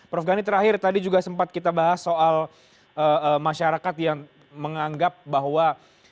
prof gani terakhir tadi juga sempat kita bahas soal masyarakat yang menganggap bahwa